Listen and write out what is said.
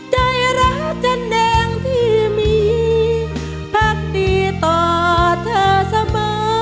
ใจรักจันแดงที่มีพักดีต่อเธอเสมอ